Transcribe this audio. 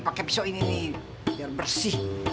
pakai pisau ini nih biar bersih